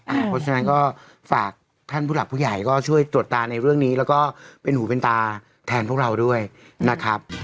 เพราะฉะนั้นก็ฝากท่านผู้หลักผู้ใหญ่ก็ช่วยตรวจตาในเรื่องนี้แล้วก็เป็นหูเป็นตาแทนพวกเราด้วยนะครับ